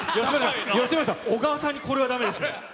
吉村さん、小川さんにこれはだめですよ。